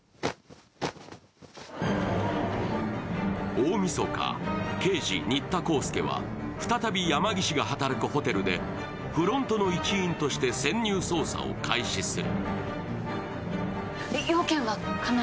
大みそか、刑事・新田浩介は再び山岸が働くホテルでフロントの一員として潜入捜査を開始する。